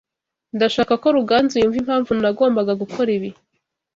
Ndashaka ko Ruganzu yumva impamvu nagombaga gukora ibi.